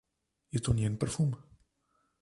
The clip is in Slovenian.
Je to njen parfum?